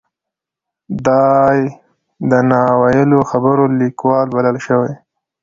دای د نا ویلو خبرو لیکوال بللی شو.